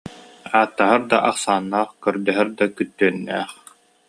Ааттаһар да ахсааннаах, көрдөһөр да күттүөннээх